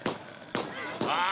ああ！